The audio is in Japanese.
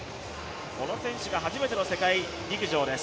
この選手が初めての世界陸上です。